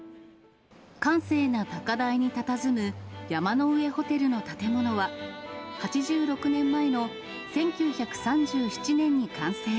閑静な高台にたたずむ山の上ホテルの建物は、８６年前の１９３７年に完成。